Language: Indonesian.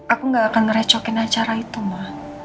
aku gak akan ngerecokin acara itu mbak